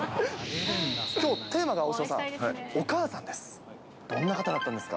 きょう、テーマが大城さん、お母さんです。